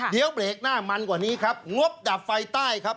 เดี๋ยวเบรกหน้ามันกว่านี้ครับงบดับไฟใต้ครับ